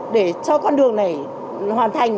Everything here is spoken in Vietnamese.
để cho con đường này hoàn thành